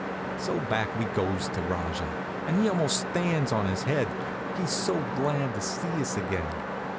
So back we goes to Rajah, and he almost stands on his head, he's so glad to see us again.